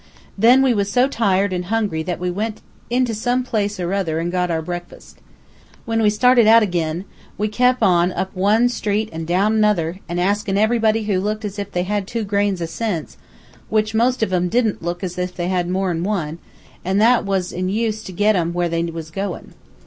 Then we was so tired an' hungry that we went into some place or other an' got our breakfast. When we started out ag'in, we kep' on up one street an' down another, an' askin' everybody who looked as if they had two grains of sense, which most of 'em didn't look as if they had mor'n one, an' that was in use to get 'em to where they was goin.'